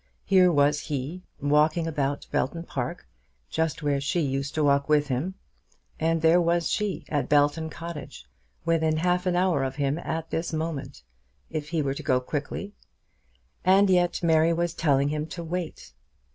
Here was he, walking about Belton Park, just where she used to walk with him; and there was she at Belton Cottage, within half an hour of him at this moment, if he were to go quickly; and yet Mary was telling him to wait!